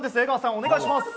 お願いします。